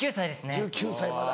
１９歳まだ。